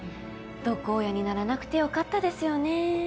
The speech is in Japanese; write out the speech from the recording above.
毒親にならなくてよかったですよね。